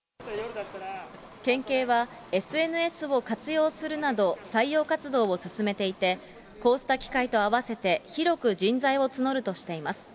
県警はＳＮＳを活用するなど、採用活動を進めていて、こうした機会と併せて広く人材を募るとしています。